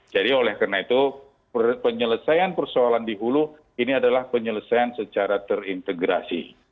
jadi oleh karena itu penyelesaian persoalan di hulu ini adalah penyelesaian secara terintegrasi